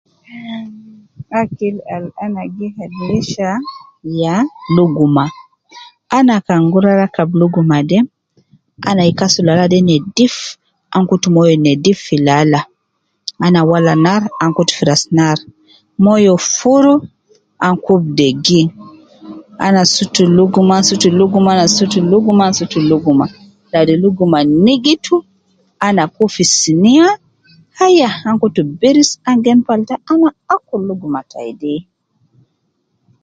Ahmm akil al ana gi fadhilisha ya luguma, ana kan guruwa rakab luguma de ana gi kasul laala de nedif, ana kutu moyo nedif fi laala, ana wala narr ana kutu fi ras naar, moyo furu, ana kubu degi, ana sutu luguma , ansutu luguma ,ana sutu luguma ,ansutu luguma ladi luguma nigitu, ana kub fi siniya, aya, ana kutu birisi, angen falata, ana akulu luguma tai de.